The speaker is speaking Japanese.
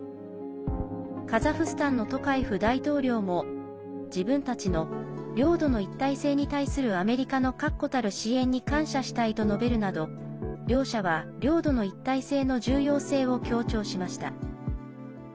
カザフスタンのトカエフ大統領も「自分たちの領土の一体性に対するアメリカの確固たる支援に感謝したい」と述べるなど両者は領土の一体性の重要性を強調しました。